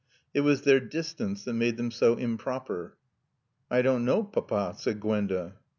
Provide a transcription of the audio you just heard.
It was their distance that made them so improper. "I don't know, Papa," said Gwenda.